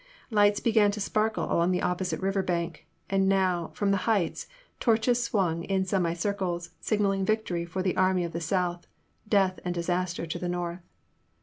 Lights began to sparkle along the opposite river bank, and now, fix)m the heights, torches swung in semi circles signalling victory for the army of the South, death and dis aster to the North.